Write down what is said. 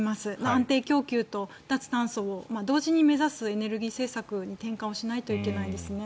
安定供給と脱炭素を同時に目指すエネルギー政策に転換しないといけないですね。